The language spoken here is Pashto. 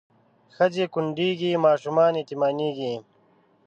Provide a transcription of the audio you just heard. ښځې کونډېږي ماشومان یتیمانېږي